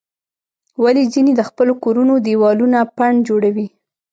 ولې ځینې د خپلو کورونو دیوالونه پنډ جوړوي؟